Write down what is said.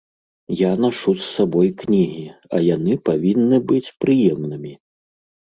Я нашу з сабой кнігі, а яны павінны быць прыемнымі.